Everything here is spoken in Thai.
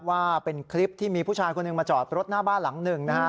ว่าเป็นคลิปที่มีผู้ชายคนหนึ่งมาจอดรถหน้าบ้านหลังหนึ่งนะฮะ